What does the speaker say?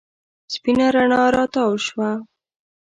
سپېنه رڼا راتاو شوه.